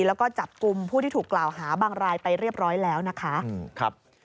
แล้วก็จับกลุ่มผู้ที่ถูกกล่าวหาบางรายไปเรียบร้อยแล้วนะคะ